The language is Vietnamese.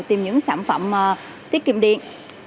tìm những sản phẩm tiết kiệm điện